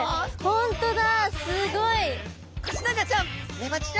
本当だ！